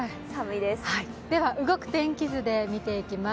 では、動く天気図で見てみます。